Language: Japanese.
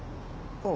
うん。